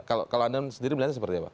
kalau anda sendiri melihatnya seperti apa